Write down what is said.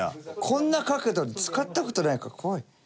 こんな角度に使った事ないから怖い。